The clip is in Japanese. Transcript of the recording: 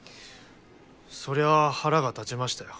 そりゃ腹が立ちましたよ。